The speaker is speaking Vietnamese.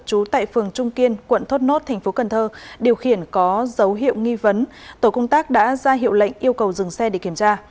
trú tại phường trung kiên quận thốt nốt tp cn điều khiển có dấu hiệu nghi vấn tổ công tác đã ra hiệu lệnh yêu cầu dừng xe để kiểm tra